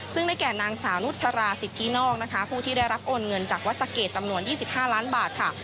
ซึ่งได้แก่นางสาวนุชราสิทธินอกนะคะผู้ที่ได้รับโอนเงินจากวัดสะเกดจำนวน๒๕ล้านบาทค่ะ